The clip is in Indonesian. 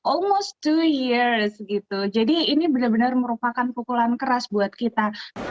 almost to years gitu jadi ini benar benar merupakan pukulan keras buat kita